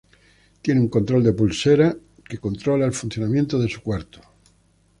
Tiene un control de pulsera que controla el funcionamiento de su cuarto.